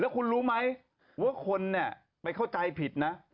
แล้วคุณรู้ไหมพวกคณเนี่ยไปเข้าใจผิดนะ